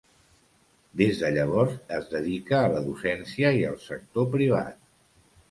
Des de llavors es dedica a la docència i al sector privat.